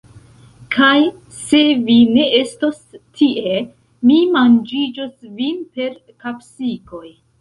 Kaj, se vi ne estos tie, mi manĝiĝos vin per kapsikoj!